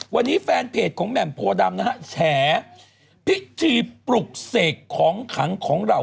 วันนี้แฟนเพจของแหม่มโพดำนะฮะแฉพิธีปลุกเสกของขังของเรา